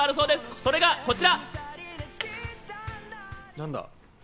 それがこちら。